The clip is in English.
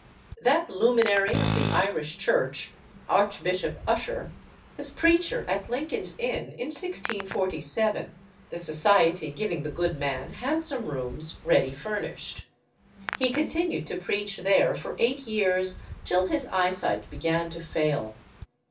That "luminary of the Irish Church," Archbishop Ussher, was preacher at Lincoln's Inn in 1647, the society giving the good man handsome rooms ready furnished. He continued to preach there for eight years, till his eyesight began to fail.